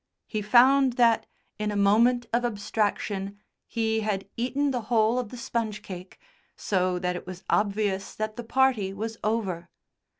He found that, in a moment of abstraction, he had eaten the whole of the sponge cake, so that it was obvious that the party was over.